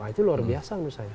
itu luar biasa menurut saya